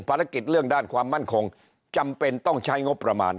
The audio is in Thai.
ภารกิจเรื่องด้านความมั่นคงจำเป็นต้องใช้งบประมาณ